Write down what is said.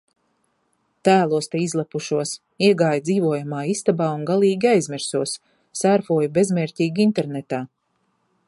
Tēlos te izlepušos. Iegāju dzīvojamā istabā un galīgi aizmirsos. Sērfoju bezmērķīgi internetā.